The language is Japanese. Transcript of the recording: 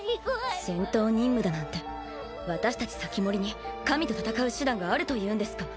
戦闘任務だなんて私たち防人に神と戦う手段があるというんですか？